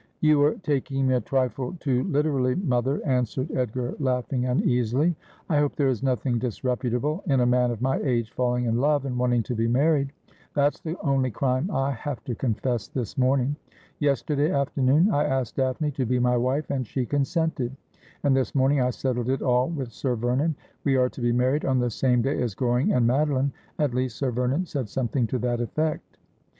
You are taking me a trifle too literally, mother,' answered Edgar, laughing uneasily. ' I hope there is nothing disreputable in a man of my age falling in love and wanting to be married. That's the only crime I have to confess this morning. Yester day afternoon I asked Daphne to be my wife, and she consented ; and this morning I settled it all with Sir Vernon. We are to be married on the same day as Goring and Madeline — at least, Sir Vernon said something to that effect.'